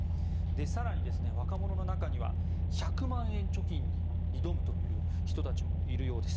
更に、若者の中には１００万円貯金に挑むという人たちもいるようです。